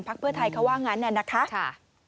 พักเพื่อไทยเขาว่างั้นเนี่ยนะคะ